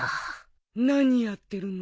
・何やってるの？